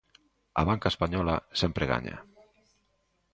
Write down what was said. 'A banca española sempre gaña'.